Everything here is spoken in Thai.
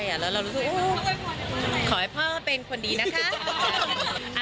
แล้วเรารู้สึกขอให้พ่อเป็นคนดีนะคะ